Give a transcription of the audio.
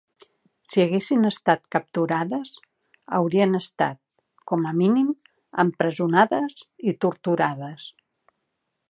Si haguessin estat capturades, haurien estat, com a mínim, empresonades i torturades.